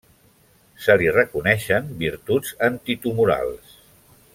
Se li reconeixen virtuts antitumorals.